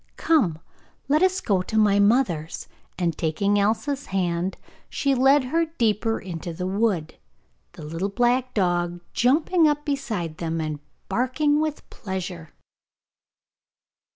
Come, let us go to my mother'; and taking Elsa's hand she led her deeper into the wood, the little black dog jumping up beside them and barking with pleasure.